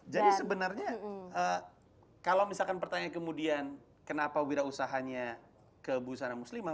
jadi sebenarnya kalau misalkan pertanyaan kemudian kenapa wira usahanya ke buhusana muslimah